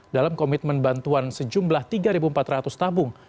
dalam komitmen bantuan sejumlah tiga empat ratus tabung